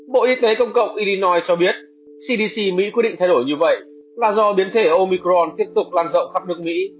bộ y tế công cộng idlinois cho biết cdc mỹ quyết định thay đổi như vậy là do biến thể omicron tiếp tục lan rộng khắp nước mỹ